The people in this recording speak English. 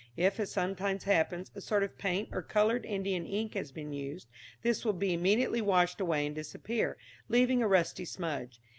If, as sometimes happens, a sort of paint or coloured indian ink has been used, this will be immediately washed away and disappear, leaving a rusty smudge.